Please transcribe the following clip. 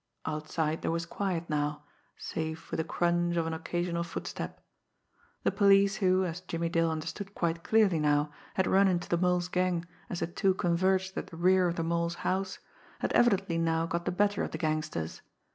Outside there was quiet now, save for the crunch of an occasional footstep. The police who, as Jimmie Dale understood quite clearly now, had run into the Mole's gang as the two converged at the rear of the Mole's house, had evidently now got the better of the gangsters.